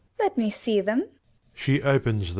Gon. Let me see them. [She opens them.